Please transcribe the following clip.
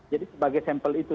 jadi sebagai sampel itu